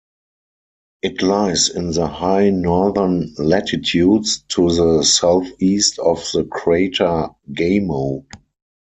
It lies in the high northern latitudes, to the southeast of the crater Gamow.